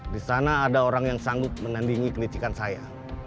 di sana ada orang yang sanggup menandingi kelicikan saya